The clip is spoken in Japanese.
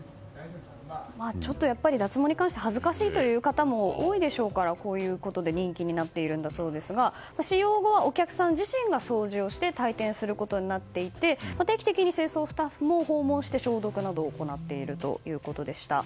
ちょっとやっぱり脱毛に関しては恥ずかしいという方も多いでしょうからこういうことで人気になっているんだそうですが使用後はお客さん自身が掃除をして退店することになっていて定期的に清掃スタッフも訪問して消毒などを行っているということでした。